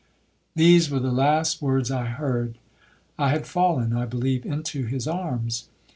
'These were the last words I heard. I had fallen, I believe, into his arms.